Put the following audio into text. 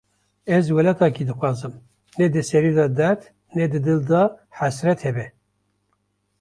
Ez welatekî dixwazim, ne di serî de derd, ne di dil de hesret hebe